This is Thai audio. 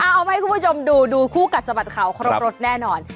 เอามาให้คุณผู้ชมดูดูคู่กัดสะบัดข่าวครบรสแน่นอน